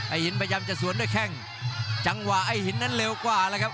หินพยายามจะสวนด้วยแข้งจังหวะไอ้หินนั้นเร็วกว่าแล้วครับ